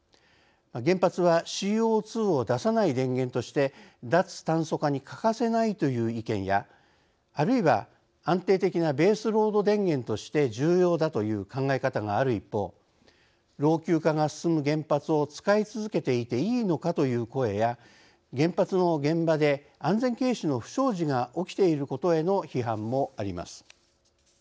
原発はＣＯ２を出さない電源として脱炭素化に欠かせないという意見やあるいは安定的なベースロード電源として重要だという考え方がある一方老朽化が進む原発を使い続けていていいのかという声や原発の現場で安全軽視の不祥事が起きていることへの批判もあります。